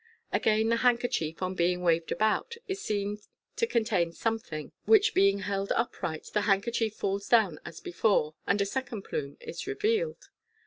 Again the handkerchief on being waved about is seen to contain something, which being held upright, the handkerchief falls down as befnre, and a second plume is revealed.